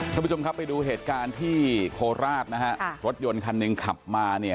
ท่านผู้ชมครับไปดูเหตุการณ์ที่โคราชนะฮะรถยนต์คันหนึ่งขับมาเนี่ย